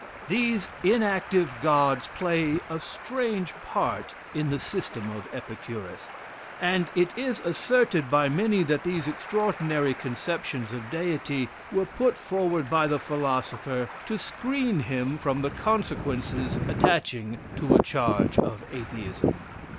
These inactive gods play a strange part in the system of Epicurus; and it is asserted by many that these extraordinary conceptions of Deity were put forward by the philosopher to screen him from the consequences attaching to a charge of Atheism.